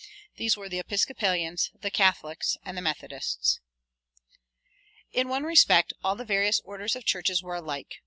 These were the Episcopalians, the Catholics, and the Methodists. In one respect all the various orders of churches were alike.